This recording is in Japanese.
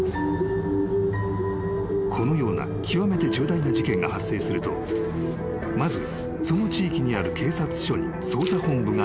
［このような極めて重大な事件が発生するとまずその地域にある警察署に捜査本部が立つ］